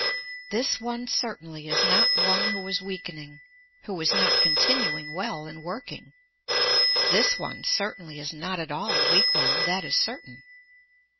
This one certainly is not one who is weakening, who is not continuing well in working. This one certainly is not at all a weak one, that is certain.